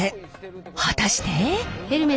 果たして？